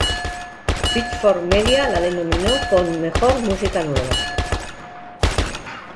Pitchfork Media la denominó con "Mejor música nueva".